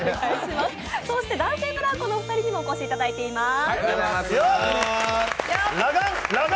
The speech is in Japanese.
そして男性ブランコのお二人にもお越しいただいています。